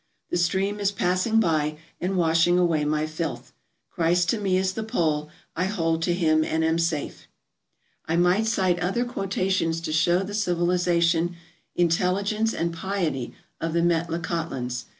The stream is passing by and washing away my filth. Christ to me is the pole; I hold to him and am safe." I might cite other quotations to show the civilization, intelligence, and piety of the Metlakahtlans.